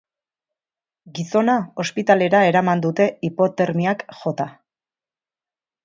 Gizona ospitalera eraman dute, hipotermiak jota.